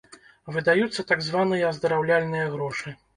Выдаюцца так званыя аздараўляльныя грошы.